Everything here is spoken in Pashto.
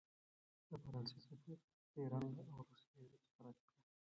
د فرانسې سفیر د ایران او روسیې اړیکې خرابې کړې.